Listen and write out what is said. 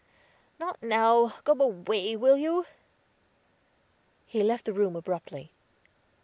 "Not now. Go away, will you?" He left the room abruptly.